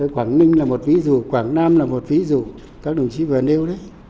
quảng ninh là một ví dụ quảng nam là một ví dụ các đồng chí vừa nêu đấy